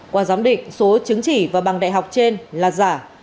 qua giám định số chứng chỉ và bằng đại học trên là giả